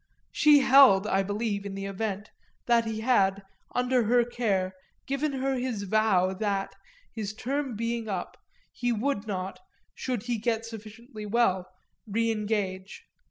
She held, I believe, in the event, that he had, under her care, given her his vow that, his term being up, he would not, should he get sufficiently well, re engage.